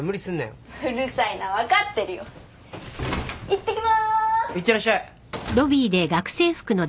いってらっしゃい。